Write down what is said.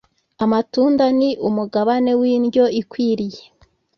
Amatunda ni umugabane windyo ikwiriye